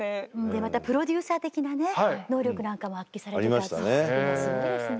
またプロデューサー的なね能力なんかも発揮されてたってすごいですね。